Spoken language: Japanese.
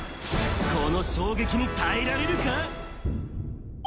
この衝撃に耐えられるか？